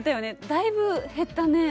だいぶ減ったね。